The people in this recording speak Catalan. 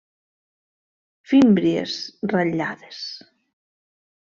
Fímbries ratllades.